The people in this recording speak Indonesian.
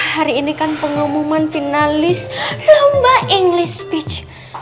hari ini kan pengumuman finalis lomba englis speech